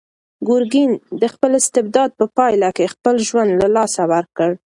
ګورګین د خپل استبداد په پایله کې خپل ژوند له لاسه ورکړ.